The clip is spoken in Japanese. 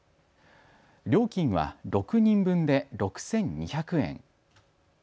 料金は６人分で６２００円。